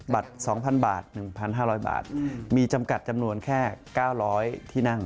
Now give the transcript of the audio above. ๒๐๐บาท๑๕๐๐บาทมีจำกัดจำนวนแค่๙๐๐ที่นั่ง